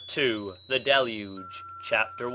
THE DELUGE. CHAPTER I.